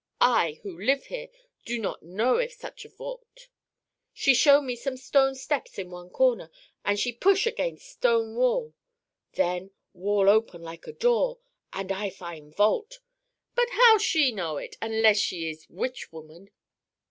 I, who live here, do not know of such a vault. She show me some stone steps in one corner, an' she push against stone wall. Then wall open like door, an' I find vault. But how she know it, unless she is witch woman?"